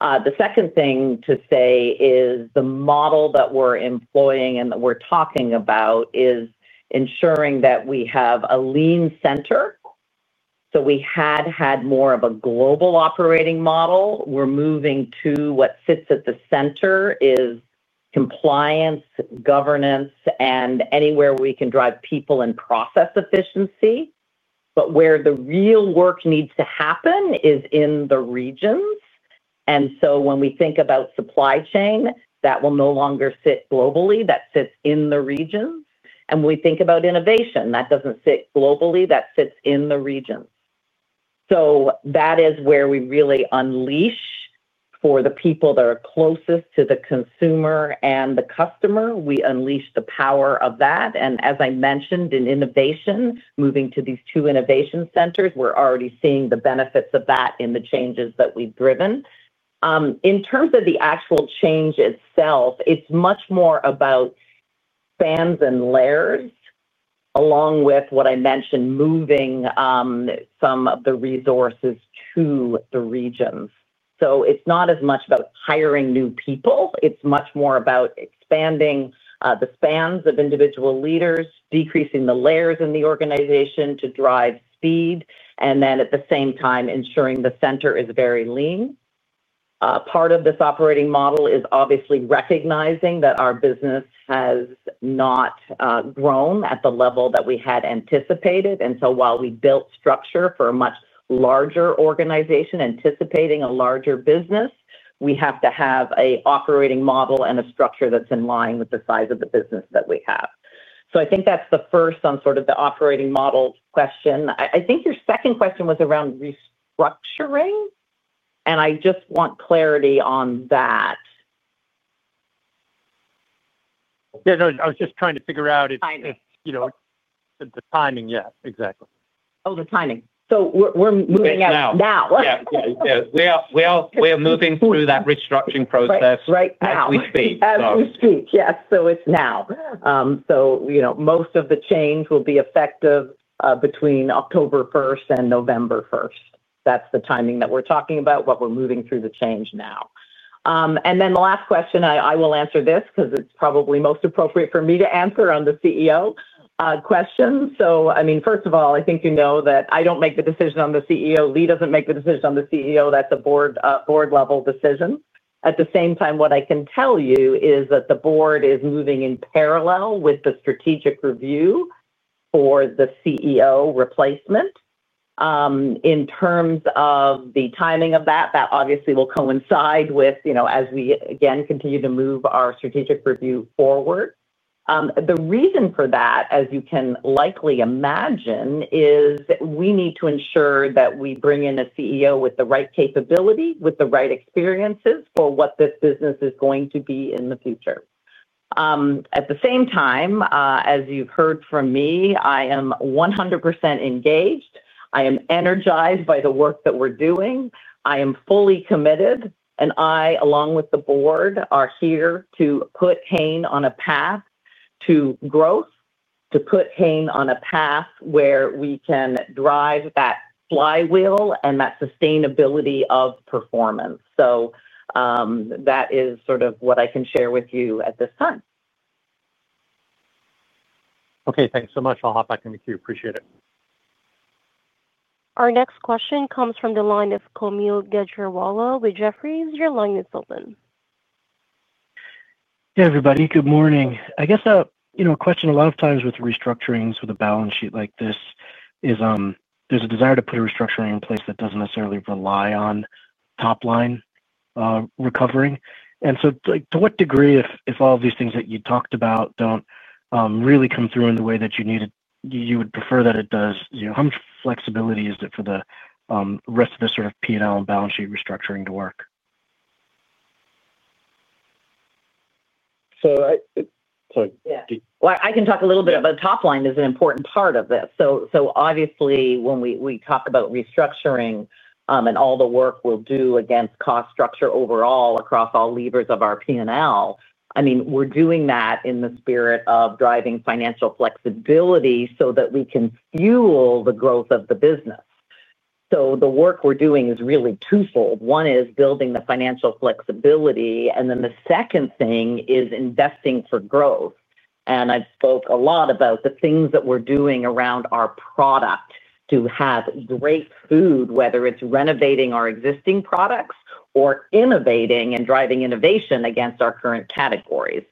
The second thing to say is the model that we're employing and that we're talking about is ensuring that we have a lean center. We had had more of a global operating model. We're moving to what sits at the center is compliance, governance, and anywhere we can drive people and process efficiency. Where the real work needs to happen is in the regions. When we think about supply chain, that will no longer sit globally. That sits in the regions. When we think about innovation, that doesn't sit globally. That sits in the regions. That is where we really unleash for the people that are closest to the consumer and the customer. We unleash the power of that. As I mentioned, in innovation, moving to these two innovation centers, we're already seeing the benefits of that in the changes that we've driven. In terms of the actual change itself, it's much more about spans and layers, along with what I mentioned, moving some of the resources to the regions. It's not as much about hiring new people. It's much more about expanding the spans of individual leaders, decreasing the layers in the organization to drive speed, and at the same time, ensuring the center is very lean. Part of this operating model is obviously recognizing that our business has not grown at the level that we had anticipated. While we built structure for a much larger organization, anticipating a larger business, we have to have an operating model and a structure that's in line with the size of the business that we have. I think that's the first on sort of the operating model question. I think your second question was around restructuring, and I just want clarity on that. Yeah, I was just trying to figure out if you know the timing yet exactly. Oh, the timing. We're moving out now. Yeah. We are moving through that restructuring process as we speak. Right. As we speak, yes, it's now. Most of the change will be effective between October 1 and November 1. That's the timing that we're talking about, but we're moving through the change now. The last question, I will answer this because it's probably most appropriate for me to answer on the CEO question. First of all, I think you know that I don't make the decision on the CEO. Lee doesn't make the decision on the CEO. That's a board-level decision. At the same time, what I can tell you is that the board is moving in parallel with the strategic review for the CEO replacement. In terms of the timing of that, that obviously will coincide with, as we continue to move our strategic review forward. The reason for that, as you can likely imagine, is we need to ensure that we bring in a CEO with the right capability, with the right experiences for what this business is going to be in the future. At the same time, as you've heard from me, I am 100% engaged. I am energized by the work that we're doing. I am fully committed, and I, along with the board, are here to put Hain on a path to growth, to put Hain on a path where we can drive that flywheel and that sustainability of performance. That is what I can share with you at this time. Okay, thanks so much. I'll hop back in with you. Appreciate it. Our next question comes from the line of Kaumil Gajrawala with Jefferies. Your line is open. Hey, everybody. Good morning. I guess a question a lot of times with restructurings with a balance sheet like this is there's a desire to put a restructuring in place that doesn't necessarily rely on top-line recovering. To what degree, if all of these things that you talked about don't really come through in the way that you needed, you would prefer that it does, how much flexibility is it for the rest of the sort of P&L and balance sheet restructuring to work? I'm sorry. I can talk a little bit about the top line as an important part of this. Obviously, when we talk about restructuring and all the work we'll do against cost structure overall across all levers of our P&L, we're doing that in the spirit of driving financial flexibility so that we can fuel the growth of the business. The work we're doing is really twofold. One is building the financial flexibility, and then the second thing is investing for growth. I've spoke a lot about the things that we're doing around our product to have great food, whether it's renovating our existing products or innovating and driving innovation against our current categories.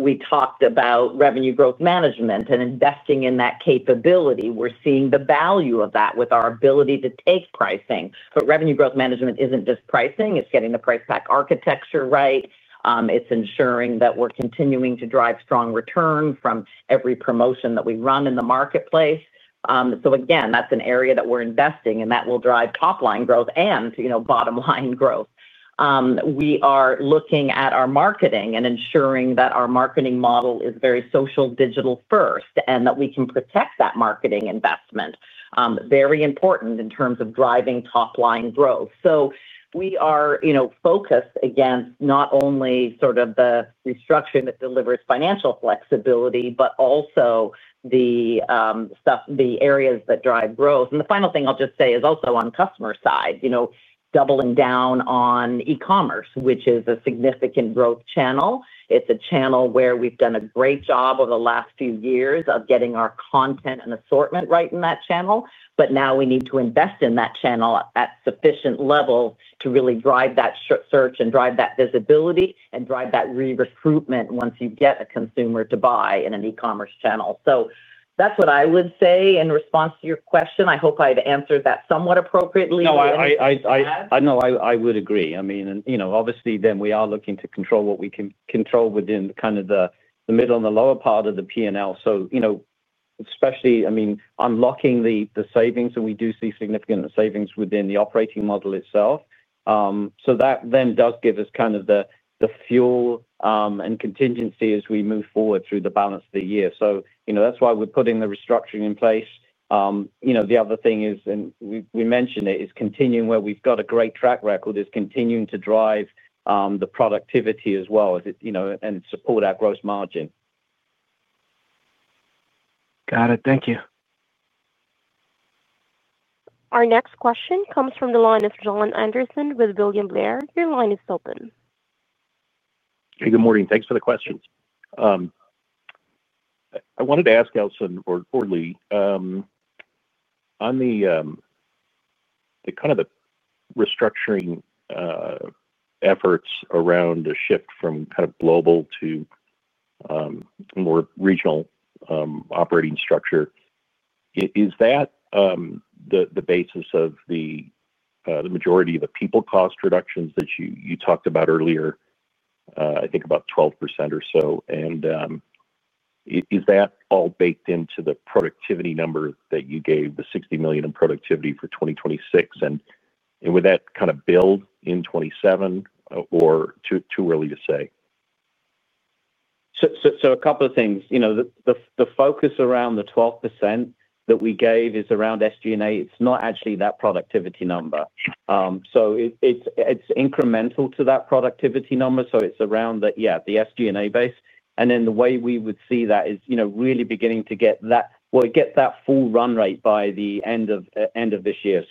We talked about revenue growth management and investing in that capability. We're seeing the value of that with our ability to take pricing. Revenue growth management isn't just pricing. It's getting the price pack architecture right. It's ensuring that we're continuing to drive strong return from every promotion that we run in the marketplace. That's an area that we're investing in, and that will drive top-line growth and, you know, bottom-line growth. We are looking at our marketing and ensuring that our marketing model is very social, digital-first, and that we can protect that marketing investment. Very important in terms of driving top-line growth. We are, you know, focused against not only sort of the restructuring that delivers financial flexibility, but also the areas that drive growth. The final thing I'll just say is also on the customer side, doubling down on e-commerce, which is a significant growth channel. It's a channel where we've done a great job over the last few years of getting our content and assortment right in that channel. Now we need to invest in that channel at sufficient levels to really drive that search and drive that visibility and drive that re-recruitment once you get a consumer to buy in an e-commerce channel. That's what I would say in response to your question. I hope I've answered that somewhat appropriately. I would agree. Obviously, we are looking to control what we can control within kind of the middle and the lower part of the P&L. Especially unlocking the savings, and we do see significant savings within the operating model itself. That does give us kind of the fuel and contingency as we move forward through the balance of the year. That is why we're putting the restructuring in place. The other thing is, and we mentioned it, is continuing where we've got a great track record, continuing to drive the productivity as well and support our gross margin. Got it. Thank you. Our next question comes from the line of Jon Andersen with William Blair. Your line is open. Hey, good morning. Thanks for the questions. I wanted to ask Alison or Lee, on the restructuring efforts around a shift from global to more regional operating structure, is that the basis of the majority of the people cost reductions that you talked about earlier, I think about 12% or so? Is that all baked into the productivity number that you gave, the $60 million in productivity for 2026? Will that build in 2027, or too early to say? A couple of things. The focus around the 12% that we gave is around SG&A. It's not actually that productivity number. It's incremental to that productivity number. It's around the SG&A base. The way we would see that is really beginning to get that full run rate by the end of this year.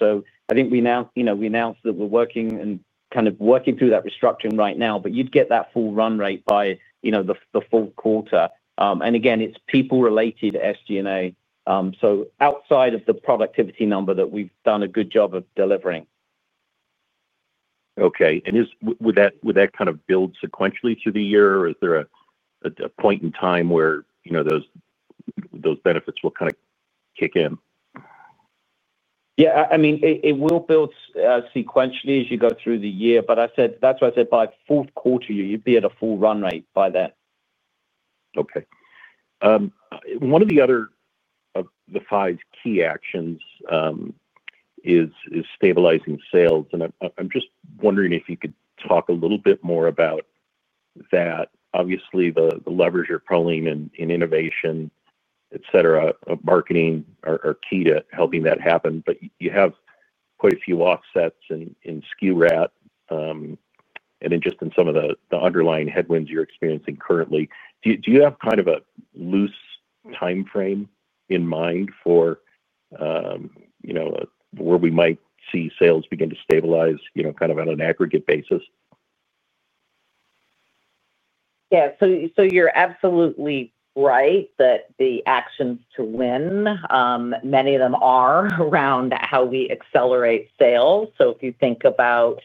I think we now announced that we're working and kind of working through that restructuring right now, but you'd get that full run rate by the full quarter. Again, it's people-related SG&A, so outside of the productivity number that we've done a good job of delivering. Would that kind of build sequentially through the year, or is there a point in time where those benefits will kind of kick in? Yeah, it will build sequentially as you go through the year. That's what I said, by fourth quarter you'd be at a full run rate by then. Okay. One of the other of the five key actions is stabilizing sales. I'm just wondering if you could talk a little bit more about that. Obviously, the leverage you're pulling in innovation, etc., marketing are key to helping that happen. You have quite a few offsets in SKU rationalization, and then just in some of the underlying headwinds you're experiencing currently. Do you have kind of a loose timeframe in mind for, you know, where we might see sales begin to stabilize, you know, kind of on an aggregate basis? Yeah. You're absolutely right that the action to win, many of them are around how we accelerate sales. If you think about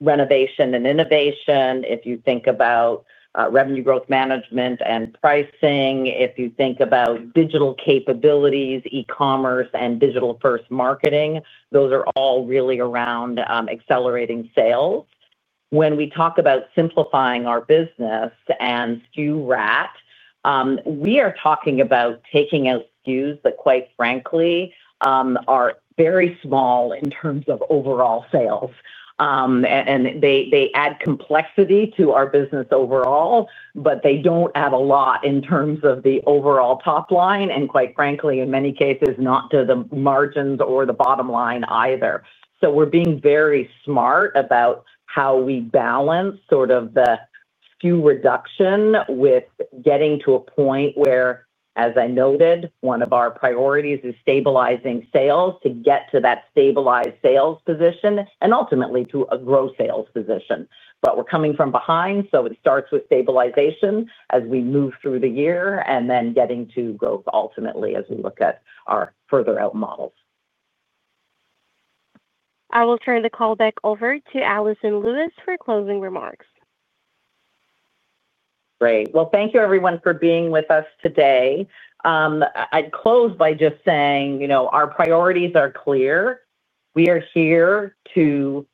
renovation and innovation, if you think about revenue growth management and pricing, if you think about digital capabilities, e-commerce, and digital-first marketing, those are all really around accelerating sales. When we talk about simplifying our business and SKU reduction, we are talking about taking out SKUs that, quite frankly, are very small in terms of overall sales. They add complexity to our business overall, but they don't add a lot in terms of the overall top line, and quite frankly, in many cases, not to the margins or the bottom line either. We're being very smart about how we balance the SKU reduction with getting to a point where, as I noted, one of our priorities is stabilizing sales to get to that stabilized sales position and ultimately to a growth sales position. We're coming from behind, so it starts with stabilization as we move through the year and then getting to growth ultimately as we look at our further out models. I will turn the call back over to Alison Lewis for closing remarks. Great. Thank you, everyone, for being with us today. I'd close by just saying our priorities are clear. We are here to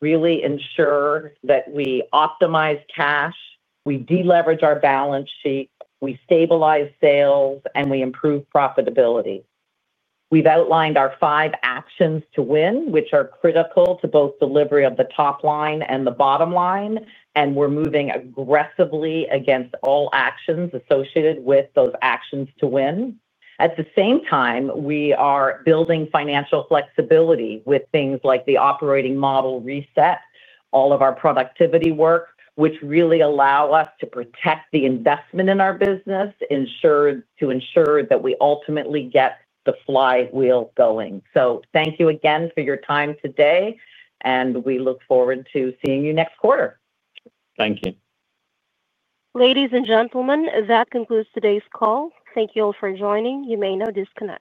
really ensure that we optimize cash, we deleverage our balance sheet, we stabilize sales, and we improve profitability. We've outlined our five actions to win, which are critical to both delivery of the top line and the bottom line, and we're moving aggressively against all actions associated with those actions to win. At the same time, we are building financial flexibility with things like the operating model reset, all of our productivity work, which really allow us to protect the investment in our business to ensure that we ultimately get the flywheel going. Thank you again for your time today, and we look forward to seeing you next quarter. Thank you. Ladies and gentlemen, that concludes today's call. Thank you all for joining. You may now disconnect.